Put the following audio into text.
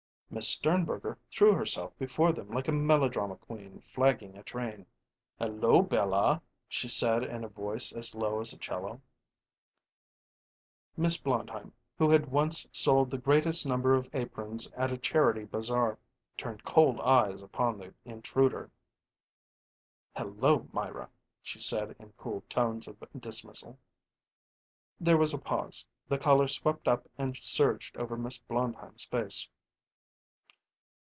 Miss Sternberger threw herself before them like a melodrama queen flagging a train. "Hello, Bella!" she said in a voice as low as a 'cello. Miss Blondheim, who had once sold the greatest number of aprons at a charity bazar, turned cold eyes upon the intruder. "Hello, Myra!" she said in cool tones of dismissal. There was a pause; the color swept up and surged over Miss Blondheim's face.